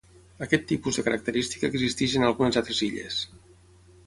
Aquest tipus de característica existeix en algunes altres illes.